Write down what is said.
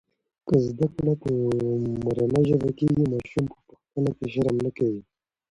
که زده کړه په مورنۍ ژبه کېږي، ماشوم په پوښتنه کې شرم نه کوي.